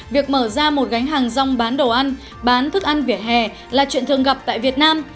việc mở ra một gánh hàng rong bán đồ ăn bán thức ăn vỉa hè là chuyện thường gặp tại việt nam